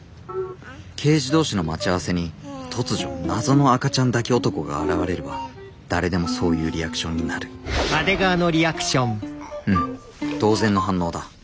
刑事同士の待ち合わせに突如謎の赤ちゃん抱き男が現れれば誰でもそういうリアクションになるうん当然の反応だ。